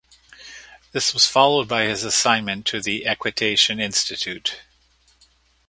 This was followed by his assignment to the equitation institute.